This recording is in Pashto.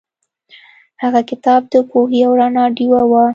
هغه کتاب د پوهې او رڼا ډیوه وه.